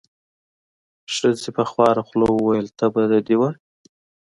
ښځې په خواره خوله وویل: تبه دې وه.